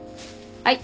はい。